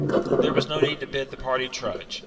There was no need to bid the party trudge.